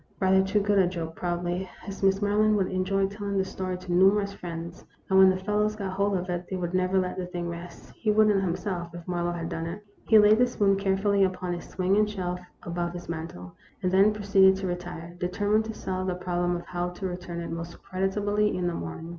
Rather too good a joke, probably, as Miss Maryland would enjoy telling the story to numerous friends, and when the fellows got hold of it they would never let the thing rest ; he would n't, himself, if Marlowe had done it. THE ROMANCE OF A SPOON. 189 He laid the spoon carefully upon a swinging shelf above his mantel, and then proceeded to retire, determined to solve the problem of how to return it most creditably in the morning.